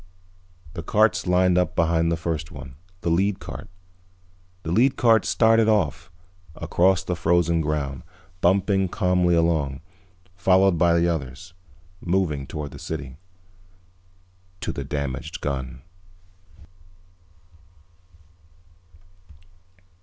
The carts lined up behind the first one, the lead cart. The lead cart started off, across the frozen ground, bumping calmly along, followed by the others. Moving toward the city. To the damaged gun.